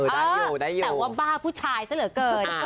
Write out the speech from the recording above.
แต่ว่าบ้าผู้ชายเสริจเกิน